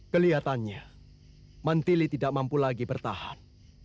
kelihatannya mentili tidak mampu lagi bertahan